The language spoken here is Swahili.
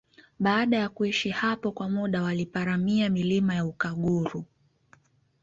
Baada ya kuishi hapo kwa muda waliparamia milima ya Ukaguru